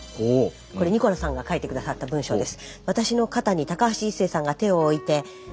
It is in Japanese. これニコラさんが書いて下さった文章です。